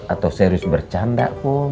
atau serius bercanda